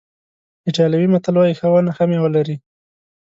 ایټالوي متل وایي ښه ونه ښه میوه لري.